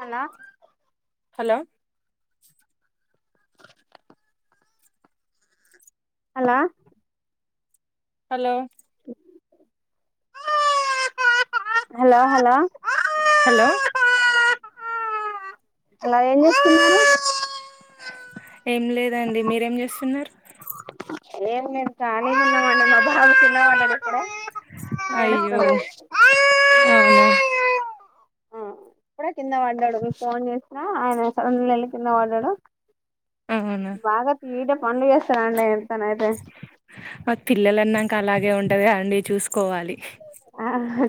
అన్నా hello hello hello hello hello. Hello hello ఏం చేస్తున్నారు. ఏం లేదండి మీరేం చేస్తున్నరు. ఏం లేదు కాలిగ ఉన్నమండి మా బాబు కింద పడ్డడు. అయ్యో ఏడుస్తున్నడు. ఆ అవునా ఇప్పుడే కింద పడ్డడు మీకు ఫోన్ చేసినా ఆయన సడన్ల ఎళ్ళి కింద పడ్డడు. అవునా బాగ తీట పనులుచేస్ తండి. ఆ పిల్లలనంక అలా గే ఉంటదిగా అండి చూసుకోవాలి. ఆ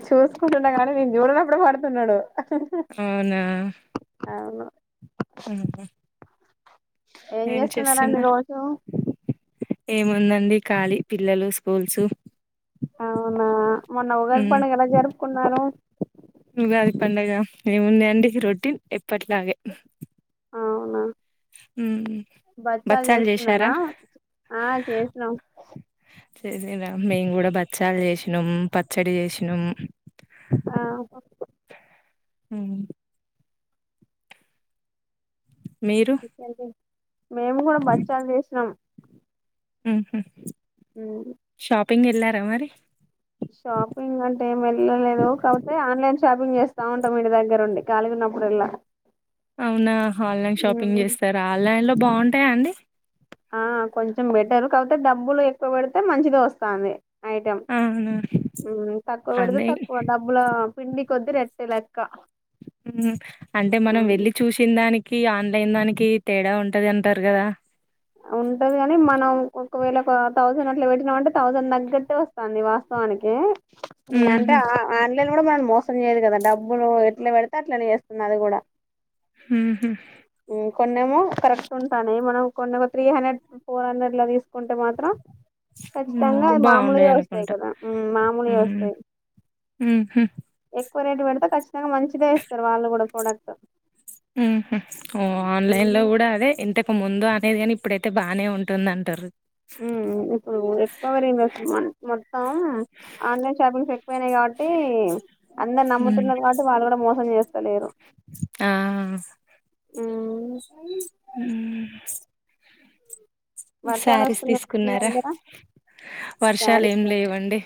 చూసుకుంటున్నా కానీ నేను చూడనప్పుడే పడుతున్నడు. అవునా. అవును. హుమ్ ఏం చేస్తున్నారండీ రోజు. ఏముందండి ఖాళీ పిల్లలు స్కూల్సు ఆ మొన్న ఉగాది పండుగ ఎలా జరుపుకున్నారు? ఉగాది పండగ ఏముందండి రొటీన్ ఎప్పట్లాగే. అవునా. ఉమ్ బచ్చాలు చేసుకున్నరా? ఆ చేసినాం. చేసిరా మేము కూడా బచ్చాలు చేసినమ్, పచ్చడి చేసినమ్. ఆహా హుమ్ మీరు [inaudible] మేము గూడా బచ్చాలు చేసినాం. హుహ్ హమ్ పెంగ్ ఎల్లారా మరి షాపింగ్ అంటే ఏం వెళ్ళలేదు కాబపోతే ఆన్లైన్ షాపింగ్ చేస్తా ఉంటాం ఇంటి దగ్గరు ఉండి కలిగున్నపుడల్లా అవునా ఆన్లైన్ షాపింగ్ చేస్తారు ఆన్లైన్ లో బాగుంటాయా అండి ఆ కొంచెం బెటర్ కాబపోతే డబ్బులు ఎక్కువ పెడితే మంచిది వస్తాంది ఐటమ్ అవునా! హమ్ తక్కువ పెడితే అదే తక్కువ డబ్బుల పిం కొద్ది రెట్టి లెక్క అంటే మనం ఉమ్. వెల్లి చూసిన దానికి ఈ ఆన్లైన్ దానికి తేడా ఉంటది అంటారు కదా ఉంటది కాని మనం ఒకవేళ థౌసండ్ అట్లా పెట్టి అంటే థౌసండ్ తగ్గట్టు వస్తాంది వాస్తవానికి అంటి హుహు. ఆ కూడా మనం మోసం చేయదు కదా డబ్బులు ఎట్లా పెడితే అట్లనే చేస్తుంది అది కూడా హ కొన్నమో కరప్ట్ ఉంటానే మనం కొన్ని ఏమో త్రీ హండ్రెడ్ ఫోర్ హండ్రెడ్ లా తీసుకుంటే మాత్రం హ్మ్. ఖచ్చితంగా అ మామూలుగా వస్తాయి బావుండయనుకుంటా. కదా మామూలుగా హ్మ్. వస్తాయి హుహు. ఎక్కువ రేటు పెడితే ఖచ్చితంగా మంచిదే ఇస్తారు వాళ్ళు కూడా ప్రోడక్ట్ ఓ ఆన్లైన్ లో కూడా అదే ఇంతకు ముందు అదు కాని ఇప్పుడైతే బాగానే ఉంటుంది అంటారు ఇప్పుడు ఎక్వవరీ ఇవస్ మొత్తం ఆన్లైన్ షాపింగ్స్ ఎక్కువనాయి కాబట్టి అందరు హ్మ్. నమ్ముతున్నారు కాబట్టి వాళ్ళు కూడా మోసం చేస్తారు స్టేలేరు ఆ ఊ హ్మ్. వర్షాలు శారీస్ వస్తున్నాయి మీ తీసుకున్నారా దగ్గర వర్షాలు ఏం శారీస్ లేవండి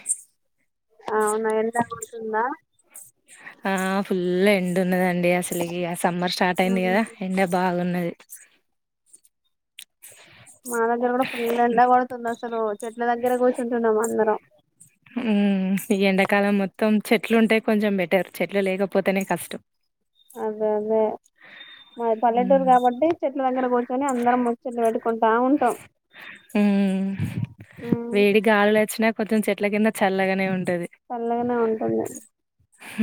అవునా ఎంత అతుందా ఆ ఫుల్ ఎం ఉన్నదండి అసలుకి ఆ సమ్మర్ స్టార్ట్ అయింది ఉమ్ కదా ఎండ బాగున్నది మా దగ్గర కూడా ఫుల్ ఎండ కొడుతుంది అసలు చెట్ల దగ్గరే కూర్చుంటున్నాము అందరం ఉ ఈ ఎండాకాలం మొత్తం చెట్లు ఉంటాయి కొంచెం బెటర్ చెట్లు లేకపోతేనే కష్టం అదే అదే మా పల్లెటూరు కాబట్టి చెట్లు దగ్గర కూర్చొని అందరం ముొ చెట్లు పెట్టుకుంటా ఉంటాం ఉమ్ ఇట్ల కింద చల్లగానే ఉంటంది చల్లగానే ఉంటుంది హ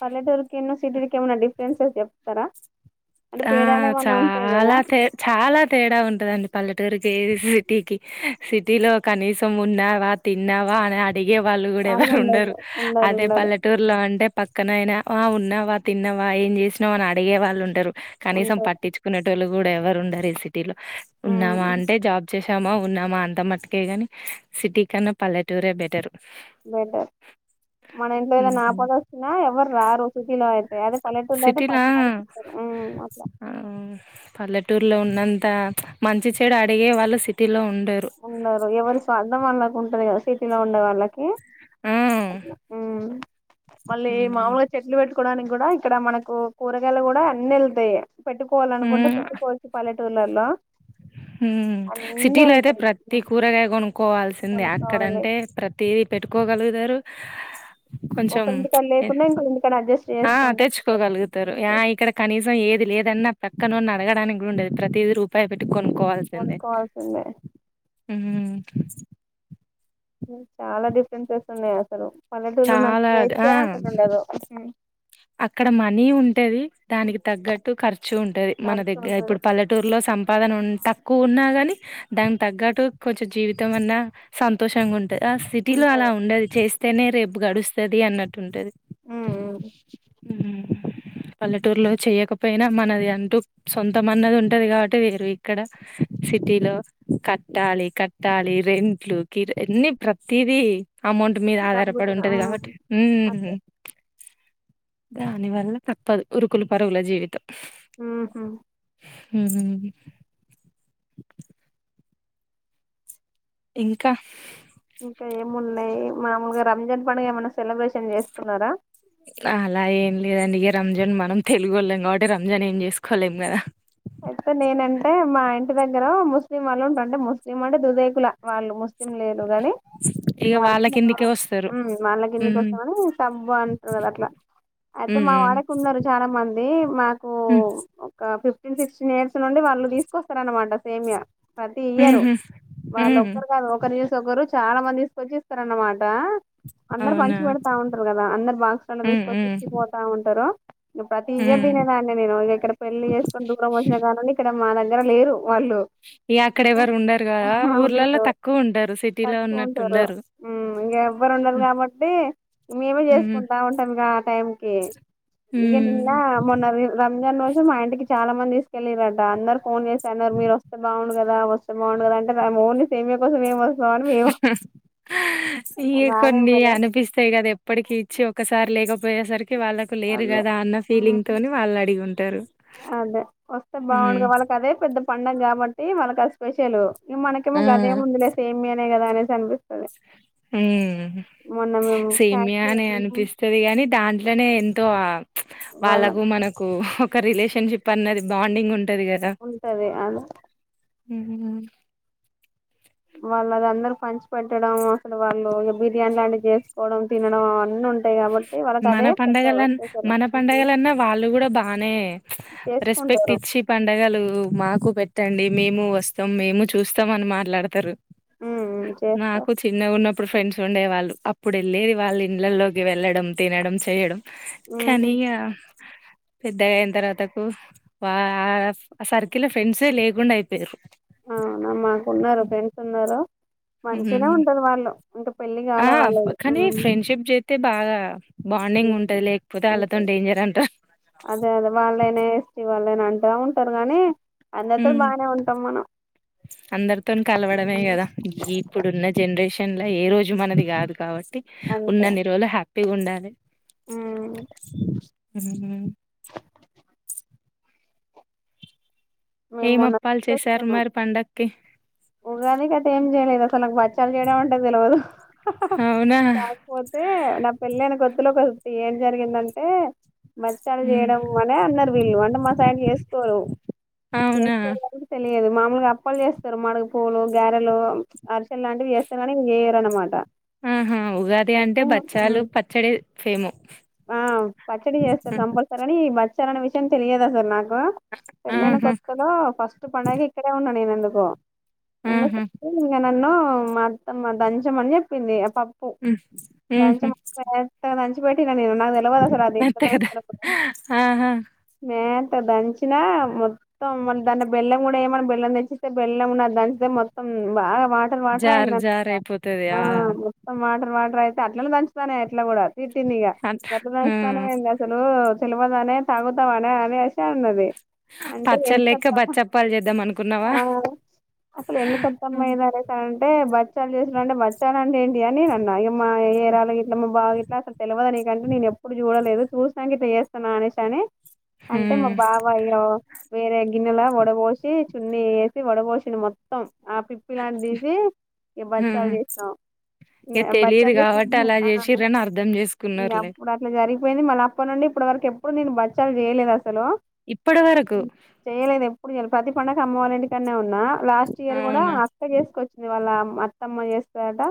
పల్లెటూరికి ఎన్నో సిటీరికి ఏమన్నా డిఫరెన్సెస్ చెప్తారా అంటే ఆ తేడాలు ఏమన్నా ఉంటాయి కదా చాలా తే చాలా తేడా ఉంటదండి పల్లెటూరుకిది సిటీకి సిటీ లో కనీసం ఉన్నావా తిన్నావా అని అడిగే వాళ్ళు కూడా ఎవరు ఉండరు అదే పల్లెటూరులో అంటే పక్కనయినా వా ఉన్నావా తిన్నావా ఏం చేసినా అని అడిగే వాళ్ళు ఉండరు కనీసం ఉంటారు పట్టించుకునేటోళ్లు కూడా ఎవరు ఉండరు ఈ సిటీ లో ఉమ్, ఉన్నామా అంటే జాబ్ చ్చసామా ఉన్నామా అంత మటుకే గాని సిటీ కన్నా పల్లెటూరే బెటర్ బెటర్ మన ఇంట్లో ఏదైన అపద వచ్చిన ఎవరు రారు సిటీలో అయితే అదే పల్లెటూళ్ళ అయితే సిటీలా పది మంది వస్తారు ఆ పల్లెటూర్లో ఉ అంత మంచి చెడు అడిగే వాళ్ళు సిటీలో ఉండ వుండరు ఎవరి స్వార్థం అళ్ళకు ఉంటంది కదా సిటీలో ఉండే వాళ్ళకి ఆ మళ్ళీ ఉమ్ మామూలుగా చెట్లు పెట్టుకు కోడానికి కూడా ఇక్కడ మనకు కూరగాయలు కూడా అన్ని వెళ్తాయి పెట్టుకోవాలనుకుంటే పెట్టుకోల్సి పల్లే టూర్ టుల్లాల ఉ సిటీల అయితే ప్రతి తి ఉమ్, కూరగాయ కొనుక్కోవాల్సిందే కొనుక్కోవాలి అక్కడంటే ప్రతిదీ పెట్టుకోగలుగుద రు కొంచెం ఒకరింటికాడ లేకుండా ఇంకోరింటికాడ అడ్జస్ట్ ఆ తెచ్చుకోగలుగుతారు చేసుకుంటా ఆ ఇక్కడ కనీసం ఏది లేదన్నా పక్కనోన్ని అడగడానికి కూడా ఉండదు ప్రతిది రూ బాయ కొనుక్కోవాల్సిందే కొనుక్కోవాల్సిందే ఉ చాలా డిఫరెన్సెస్ ఉన్నాయి అసలు పల్లెటూరులో ఉండే చాలా ఆ నేచర్ ఇక్కడ ఉండదు అక్కడ మనీ ఉంటది దానికి తగ్గట్టు ఖర్చు ఉంటది మన ఖర్చు దగ్గర ఉంటది ఇప్పుడు పల్లెటూరులో సంప సంపదానా తక్కువ ఉన్నా గాని దానికి తగ్గట్టు కొంచం జీవితం అన్నా సంతోషంగా ఉంట అ సిటీలో అలా ఉంటది ఉండది చేస్త అయితనే రేపు గడుస్తది అన్నట్టు ఉంటది హ్మ్మ్ పల్లెటూరులో చేయకపోయినా మనది అంటూ సొంతం అన్నది ఉంటది కాబట్టి వేరు ఇక్కడ సిటీలో కట్టాలి కట్టాలి రెంట్లు కి అన్ని ప్రతిది అమౌంట్ మీద ఆధారపడి దమ్ముతున్నా ఉంటది కాబట్టి ఉ అదే దాని వల్ల తప్పదు ఉరుకులు పరుగుల జీవితం ఉ హూ హ్మ్మ్ ఇంకా ఇంకా ఏమున్నాయి మాముూలుగా రంజాన్ పడుగ ఏమైనా సెలబ్రేషన్ చేసుకున్నారా అలా ఏం లేదండి ఇక రంజన్ మనం తెలుగు వాళ్ళం కాబట్టి రంజాన్ ఏం చే తీసుకలేం కద అయితే నేనంటే మా ఇంటి దగ్గర ముస్లిం వాళ్ళు ఉంటారు అంటే ముస్లిం అంటే దుదేకుల వాళ్ళు ముస్ లేదు కాని ఇగ వాళ్ళ కిందికే వస్తారు. వాళ్ళకిిన్నికి హ్మ్. వస్తాని సబ్బు అంటారు కదా అట్లా అయితే హ్మ్. మా హ్మ్. వాడకు ఉన్నారు చాలా మంది అ మా హ్మ్. ఒక ఫిఫ్ ఫిఫ్టీన్ సిక్స్టీన్ ఇయర్స్ నుండి వాళ్ళు తీకొస్తారనమాట సేమయా ప్రతి ఇయ్యరు హుహు. వాళ్ళ హ్మ్. ఒరు కాదు ఒకరి వెనక ఒకరు చాలా మంది సుచిస్తారు అన్నమాట అందరు అవునా. పంచి పెడతా ఉంటారు కదా అందరు బాక్స్లో హ్మ్. తీసుకొచ్చి హ్మ్. ఇచ్చిపోతా ఉంటారు ప్రతి ఇయర్ హ్మ్. తినేదాన్ని నేను ఇక్కడ పెళ్లి చేస్త కొండూకా మోిన గాగానా క మా దగ్గర లేరు వాళ్ళు ఇగ అక్కడ ఎవరు ఉండరు గదా ఊర్లలో ఉండరు తక్కువుంటారు సిటీలో తక్కువ ఉంటారు ఉన్నట్టుండరు. ఇంక ఎవ్వరు ఉండరు హ్మ్. కాబట్టి మేమే హ్మ్. చేసుకుంటా ఉంటాం ఇక ఆ టైంకి ఇక నిన్న హ్మ్. మొన్న ఉందని రోజు మా ఇంటికి చాలా మంది తీసుకెళ్ళలిరట అందరు ఫోన్ చేస అన్నారు మీరు వస్త బాగుండు కదా వస్తే బాగుండు కదా అంటే ఓన్లీ సేమియా కోసం ఏం వస్తె ఇ రాలేం కొన్ని కదా అనిపిస్తాయి కదా ఎప్పటికి ఇచ్చి ఒకసారి లేకపో పోయే సార్కి వాళ్ళకు లేరు అదే కదా అన్న ఉమ్, ఫీలింగ్ తోని వాళ్ళు అదిగుంట అదే వస్తే బావుండు గా వాళ్ళకి అదే పెద్ద పండగ కాబట్టి వాళ్ళకి అ స్పెషలు మానేకేమో హ్మ్. గాదెముంది లె సేమయాల అ కదా అనేస్ అనిపిస్తుంది ఉ సేమ్యని ఫ్యాక్టరీ అనిపిస్తుది గాని దాంట్ ఇట్లానే ఎంతో ఆ [unintelligible] వాళ్ళ వాళ్ళకు మనకు క్క రిలేషన్ ఫ్రెండ్షిప్ అన్నది బాండింగ్ ఉంటది కదా. ఉంటది అది ఉమ్ వాళ్ళు అది అందరు పంచి పెట్టడం, అసలు వాళ్ళు బిర్యానీ లాంటివి చేసుకోవడం తినడం అవన్నీ ఉంటా. మన పండగల మన ఉమ్, పండగలన్నా వాళ్ళు, కూడ బానే రెస్పెక్ట్ చేసుకుంటారు ఇచ్చి పండగలు మాకు పెట్ ట్టండి మేము వస్తం, మేము చూస్తం అని మాట్లాడతరు. ఉమ్ ఉమ్, చేస్తారు నాకు చిన్న ఉన్న అప్పుడు ఫ్రెండ్స్ ఉండేవాళ్ళు అప్పుడు వెళ్ళేది వాళ్ళ ఇండ్లలోకి. వెళ్లడం, తినడం, చేయడం ఉహు కానీ ఆ పెద్దగా అయిన తర్వాతకు వా ఆ ఆ సర్కిల్ ఫ్రెండ్సే లేకుండ అయిపోయారు. అవునా మాకున్నారు ఫ్రెండ్స్ ఉన్నారా. మంచినే ఉంటరు వాళ్ళు ఇంకా పెళ్లి ఆ కాలే వాళ్ళది కానీ ఉమ్ ఫ్రెండ్షిప్ చెత్తే బాగా బాండింగ్ ఉంటది. లేకపోతే ఉంటది వాళ్ళతోన్ డేంజర్ అంటా. అదే అదే వాళ్ళైనా, ఎస్టి వాళ్ళైనా అంటా ఉంటరు గానీ, ఉ అందరితోని కలవడమే ఉమ్ కదా ఈ ఇప్పుడున్న జనరేషన్. ఎండ ఏ రోజు మనది కాదు కాబట్టి. అంతే ఉన్ననీ రోజులు హ్యాపీ హ్యాపీగా ఉండాలి. ఉమ్ హ్మ [unintelligible] ఏం మేమొన్న అప్పాలు చేశారు తీస్తున్నాం మరి పండక్కి ఉగాది కంటే ఏం చేయలేదు అసలు నాకు బచ్చాలు చేయడం అంటే తెలవదు. అవునా కాకపోతే నా పెళ్ళైన కొత్తలో ఒ ఏం జరిగిందంటే బచ్చాలు హ్మ్. చేయడం అనే అన్నారు వీళ్ళు అంటే మా సైడ్ చేసుకోరు. అవునా చేసుగోరు కానీ తెలం లేదు మామలుగా అప్పాలు చేస్తారు. మడగ పూలు, గారెలు, అరిసెలు లాంటివి చేస్తారు. కానీ ఇవి చేయరు అనమాట. ఆహా ఉగాది అంటే బచ్చాలు పచ్చడి ఫేము ఆ ఉ సరైన విషయం తెలియదు అసలు నాకు గో పెళ్లైన ఆహా కొత్త లో ఫస్ట్ పండగ ఇక్కడే ఉన్నా నేను బా ఉన్న ఆహా సాయంత్రం నన్న మా అత్తమ్మ దంచం అని చెప్పింది పప్పు హ్మ్ ఊహూ దంచమని మెత్తగా పెట్డి నెను తెలవదా సాలు అది ఎట్ల అంతే కదా దంచుతారో ఆహా హా దంచిన మో మొత్తం మళ దాని బెల్లం కూడా ఏమన్నా బెల్లం తెచ్చిస్తే బెల్లం దే మొత్తం బాగా వాటర్ వాటర్ జార్ జార్ అయిందనుకుంటా అయిపోతది ఆ మొత్తం వాటర్ వటర్ అయితే అట్లనే దంచుతానే ఎట్లా కూడా తిట్టినిక అంత గట్ట నస్నానమ హ్మ్ ఏంది అసలు తెల్వదనే తాగుతావానే అనే సే అన్నది అంతే పచ్చడి ఎందుకు లెక్క అత్తమ్మా బచ్చప్పాలు చేద్దాం అనుకున్నావా ఆ అసలు ఎందుకు అత్తమ్మ ఇది అనేసి అంటే బచ్చాలు చేసుడు అంటే బచ్చాల అంటే ఏంటి అని అన్నా మా ఏరాళ్ ఇట్లా మా బాగా ఇట్లా అసలు తెలియదునికంటే నేను ఎప్పుడు చూడలేదు చూసినాఅని ఇట్లచేస్తున్న ఆనేసి అని అంటే మా హ్మ్ బాబాయ్యో టె గిన్నెలా వడపోసి చున్నీ వేసి వడపోసిని మొత్తం ఆ పిప్పి లాంటి తీసి ఇ బచ్చాలు హ్మ్ తీస్తాం ఇగ ఇ తెలియదు బచ్చాలు కాబట్టి అలా చేసా చేసిర్రని అర్థం ఇంక చేసుకున్నారులే అప్పుడు అట్లా జరిగి యింది మల్ల అప్ప నుండి ఇప్పు వరకు ఎప్పుడు నెను బచ్చలు చేయలేదు అసలు ఇప్పటి వరకు చేయలేదు ఎప్పుడు చె ప్రతి పండగ అమ్మవాలంటికన్నే ఉంటారా నా లాస్ట్ ఇయర్ కూడా అవునా అక్కతిసుకొచ్చింది వాళ్ళ అమ్ అత్తమ్మ చేస్తాదాట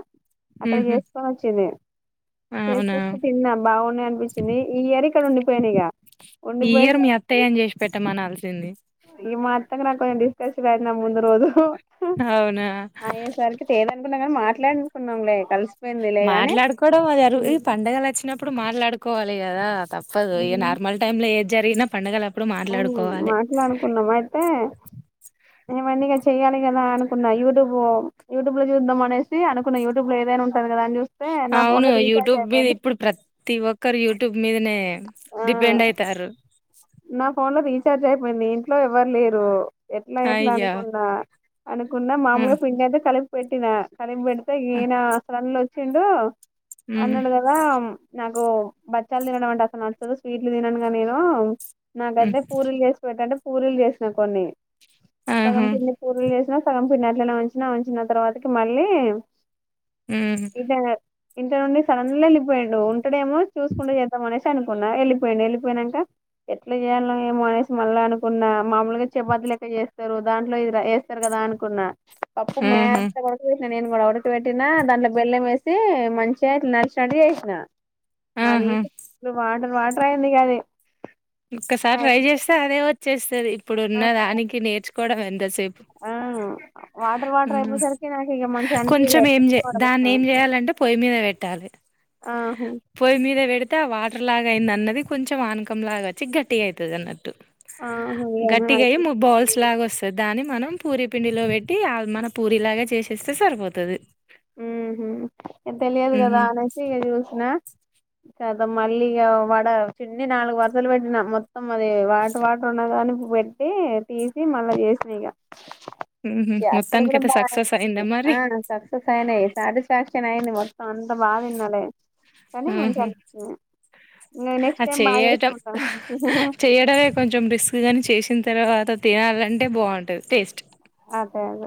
అక్కడ ఊహూ చేసుకొని వచ్చింది అవునా చేసుకొస్తే తిన్నా బాగున్నాయి అనిపించింది ఈ ఇయర్ ఇక్కడ ఉండిపోయిన ఇగ ఉండిపోయే సారికి సింది ఈ మాఅత్త నాకు కొంచె డిస్కషన్ అయింది ఆ ముందు రోజు అవునా అనుకున్నా కానీ మాట్లాడునుకున్నాంలే కలిసి మాట్లాడుకోవడం అది అరు ఇది పండుగలు వచ్చినప్పుడు మాట్లాడుకోవాలి కదా తప్పదు ఇగ నార్మల్ టైమ్ ల ఏది జరిగినా పండుగలప్ అవును మాట్లాడుకున్నాం అయితే ఏమైంది ఇగ చెయ్యాలి కదా అనుకున్నా యూట్యూబ్ యూట్యూబ్ లో చూద్దాం అనేసి అనుకున్నా యూట్యూబ్ లో ఏదైనా ఉంటుంది కదా అని చూస్ అవును యూట్యూబ్ మీద ఇప్పుడు ప్రతి ఒక్కరు యూట్యూబ్ మీదనే ఆ డిపెండ్ అయితారు నా ఫోన్ లో రీచార్జ్ అయిపోయింది ఇంట్లో ఎవ్వరు లేరు ఎట్లా ఎట్లా అయ్యా అనుకున్నా అనుకున్న మామలు హ్మ్ పిండి అయితే కలుపు పెట్టినా కలిపి పెట్ హ్మ్ అయినా అసలు వచిండు హ్మ్ అన్నాడు కదా నాక్ ఓ బచ్చాలు తినడం అంటే అస్సలు నచ్చదు స్వీట్లు తిననుగా నేను హ్మ్ నాకైతే పూరిలు చేసి పెట్టండి పూరీలు చేసినా కొన్ని సగం ఆహా పిండి పూరీలు చేసిన సగం పన్నట్లనే ఉంచినా వంచిన తర్వాతకి మళ్ళీ ఊ ఇట ఇంటి నుండి సడన్ లీ వెళ్లిపోయిండు ఇక్కడేమో చూసుకుంట చేద్దాం అనేసి అనుకున్నా వెళ్ళిపోయిండు వెళ్ళిపోయినాక ఎట్లా చేయాలనో ఏమో అనేసి మళ్ళా అనుకున్నా మామూలుగా చపాతి లెక్క చేస్తారు దాంట్లో ఇది వేస్తారు కదా అనుకున్నా పప్పు మే ఆహా త నేన్ మట్ కి పెట్టినా దాంట్లో బెల్లం వేసి మంచిగా ఇ నలచినట్లు చేసిన మళ్ళీ ఆహా ఇ వాటర్ వా ట్రైన్ ది కాదే ఒక్కసారి ట్రై చేస్తే అదే వచ్చేస్ ఇత్తది ఇప్పుడు ఉన్న ఆ దానికి నేర్చు కూడదం పెేపు ఆ వాటర్ వాటర్ అయిపోసరికి నాకు ఇక మంచిగా కొంచం అనిపియలే ఏం దాన్ని ఏం చేయాలంటే పొయ్యి మీద పెట్టాలి ఆహా పోయి మీద వెడుతే అ ఆ వాటర్ లాగా అయింది అన్నది కొంచెం ఆనకం లాగాచ్చ చిగ్టి అయితుదన ఆహా ఇగ గట్టిగా అది బౌల్ లా వస్తంది దాని మన ం పూరి పిండిలో పెట్టి మన పూరి లాగా చేసేస్తే సరిపోతుది ఉ తెలియదు కదా ఉహు అ నసి ఇక చూసిన కదా మళ్ళీ ఇక వడ చిన్ని నాలుగు వరుసలు పెట్టిన మొత్తం అది వాటర్ వాటర్ ఉన్న కాని పెట్టి తీసి మళ్ళా చేసిన ఇక మొత్తానికి కతే సక్సస్ా ఇ మరి సయి సాటిస్ఫాక్షన్ అయింది మొత్తం అంతా బాగాన్నలే ఆహ నెక్స్ట్ ఆ టైం బాగా చేయట చేసుకుంటాం చేయడమే కొంచెం రిస్క్ గాని చేసిన తర్వాత తినాలంటే బాగుంటది ేస్ట్ అదే అదే